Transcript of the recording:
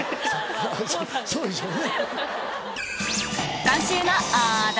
そうでしょうね。